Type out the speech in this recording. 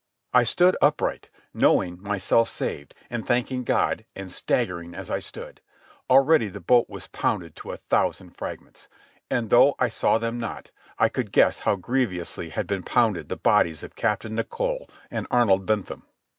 I stood upright, knowing myself saved, and thanking God, and staggering as I stood. Already the boat was pounded to a thousand fragments. And though I saw them not, I could guess how grievously had been pounded the bodies of Captain Nicholl and Arnold Bentham.